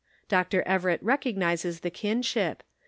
Dr. Everett recognizes the kinship.